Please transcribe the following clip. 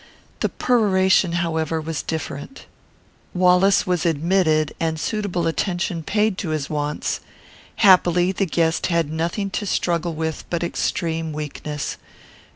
The peroration, however, was different. Wallace was admitted, and suitable attention paid to his wants. Happily, the guest had nothing to struggle with but extreme weakness.